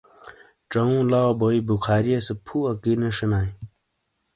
چؤوں لاؤ بوئے بخاریئے سے پھو اکی نے شئنائے۔